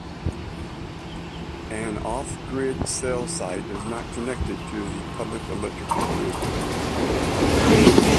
An off-grid cell site is not connected to the public electrical grid.